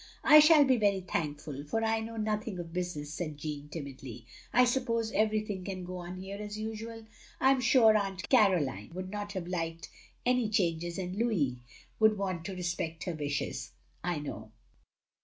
"I shall be very thankful, for I know nothing OP GROSVENOR SQUARE 71 of business," said Jeanne, timidly. "I suppose ever3rthing can go on here as usual? I am stire Aunt Caroline would not have Uked any changes and Louis would want to respect her wishes, I know."